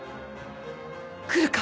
来るか？